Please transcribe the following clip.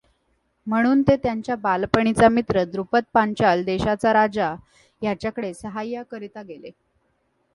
म्हणून ते त्यांचा बालपणीचा मित्र द्रुपद पांचाल देशाचा राजा ह्याच्याकडे साहाय्याकरिता गेले.